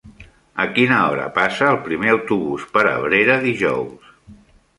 A quina hora passa el primer autobús per Abrera dijous?